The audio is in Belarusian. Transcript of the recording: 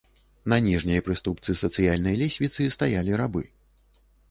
На ніжняй прыступцы сацыяльнай лесвіцы стаялі рабы.